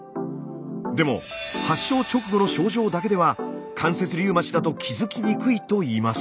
でも発症直後の症状だけでは関節リウマチだと気づきにくいといいます。